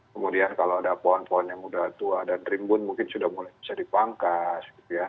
kemudian kalau ada pohon pohon yang sudah tua dan rimbun mungkin sudah mulai bisa dipangkas